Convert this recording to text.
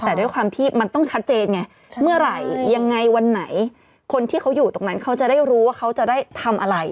แต่ด้วยความที่มันต้องชัดเจนไงเมื่อไหร่ยังไงวันไหนคนที่เขาอยู่ตรงนั้นเขาจะได้รู้ว่าเขาจะได้ทำอะไร